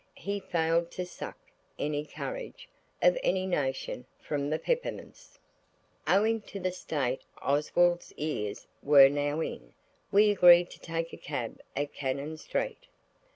He failed to suck any courage, of any nation, from the peppermints. Owing to the state Oswald's ears were now in, we agreed to take a cab at Cannon Street.